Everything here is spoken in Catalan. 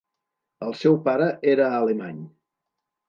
El seu pare era alemany.